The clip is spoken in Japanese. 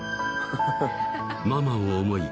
ママを思い